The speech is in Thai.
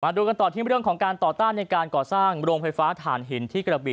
มาดูกันต่อที่การต่อต้านในการกอดสร้างโรงไฟฟ้าทานหินที่กระบี